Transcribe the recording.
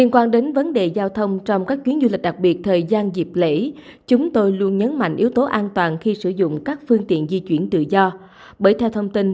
các bạn hãy đăng ký kênh để ủng hộ kênh của chúng mình nhé